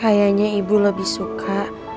kayaknya ibu lebih suka